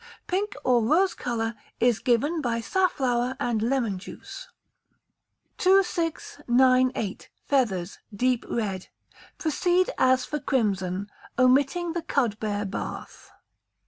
Pink, or rose colour, is given by safflower and lemon juice. 2698. Feathers (Deep Red). Proceed as for crimson, omitting the cudbear bath.